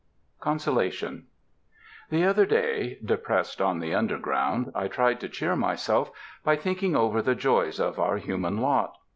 CONSOLATION The other day, depressed on the Underground, I tried to cheer myself by thinking over the joys of our human lot.